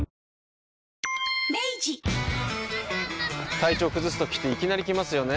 体調崩すときっていきなり来ますよね。